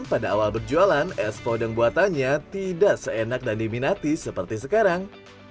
pada awal berjualan es podeng buatannya tidak seenak dan diminati seperti sekarang